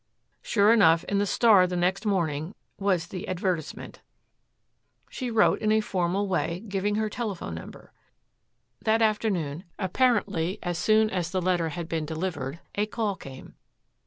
Sure enough in the Star the next morning was the advertisement. She wrote in a formal way, giving her telephone number. That afternoon, apparently as soon as the letter had been delivered, a call came.